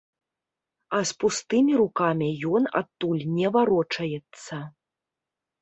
А з пустымі рукамі ён адтуль не варочаецца.